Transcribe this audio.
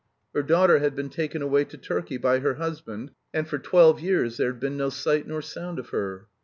Her daughter had been taken away to Turkey by her husband, and for twelve years there had been no sight nor sound of her.